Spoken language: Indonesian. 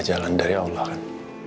jalan dari allah kan